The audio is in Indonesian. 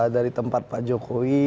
dari tempat pak jokowi